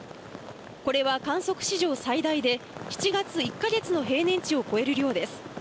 これは観測史上最大で７月１か月の平年値を超える量です。